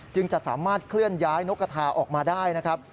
จะสามารถเคลื่อนย้ายนกกระทาออกมาได้นะครับ